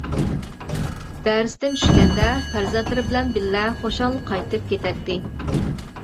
دەرستىن چۈشكەندە پەرزەنتلىرى بىلەن بىرلىكتە خۇشال قايتىپ كېتەتتى.